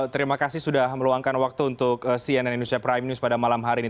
terima kasih sudah meluangkan waktu untuk cnn indonesia prime news pada malam hari ini